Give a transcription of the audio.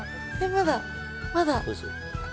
まだまだ。